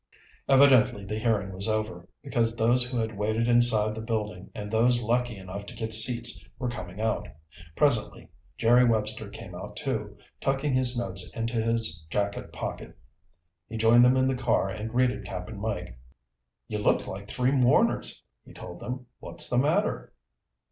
Evidently the hearing was over, because those who had waited inside the building and those lucky enough to get seats were coming out. Presently Jerry Webster came out, too, tucking his notes into his jacket pocket. He joined them in the car and greeted Cap'n Mike. "You look like three mourners," he told them. "What's the matter?"